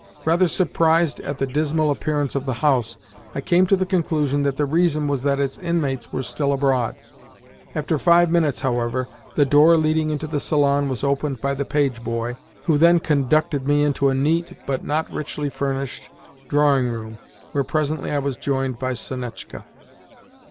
Rather surprised at the dismal appearance of the house, I came to the conclusion that the reason was that its inmates were still abroad. After five minutes, however, the door leading into the salon was opened by the page boy, who then conducted me into a neat, but not richly furnished, drawing room, where presently I was joined by Sonetchka.